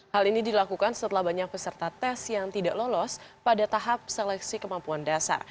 hal ini dilakukan setelah banyak peserta tes yang tidak lolos pada tahap seleksi kemampuan dasar